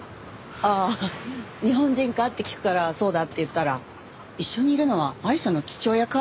ああ「日本人か？」って聞くから「そうだ」って言ったら「一緒にいるのはアイシャの父親か？」